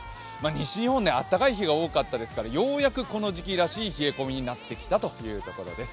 西日本はあったかい日が多かったですからようやくこの時期らしい冷え込みになってきました。